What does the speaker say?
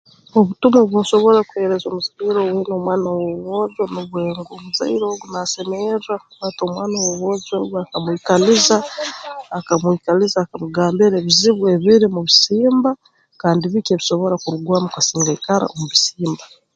Obutumwa obu nsobora kuheereza omuzaire owaine omwana ow'obwojo nubwe ngu omuzaire ogu naasemerra kukwata omwana ow'obwojo ogu akamwikaliza akamwikaliza akamugambira ebizibu ebiri mu bisimba kandi biki ebisobora kurugwamu kasinga aikara omu bisimba